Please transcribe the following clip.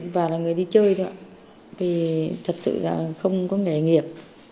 và là người đi chơi thôi ạ vì thật sự là không có nghề nghiệp